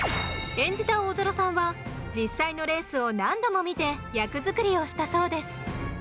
演じた大空さんは実際のレースを何度も見て役作りをしたそうです。